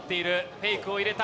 フェイクを入れた。